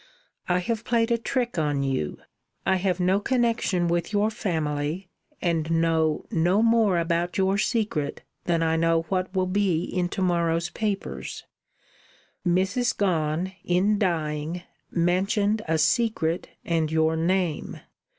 "I have played a trick on you. I have no connection with your family, and know no more about your secret than I know what will be in to morrow's papers. Mrs. Gone, in dying, mentioned a secret and your name.